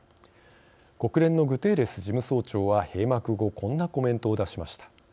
国連のグテーレス事務総長は閉幕後こんなコメントを出しました。